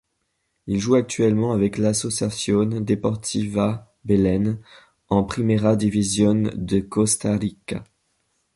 Il joue actuellement avec l'Asociación Deportiva Belén en Primera División de Costa Rica.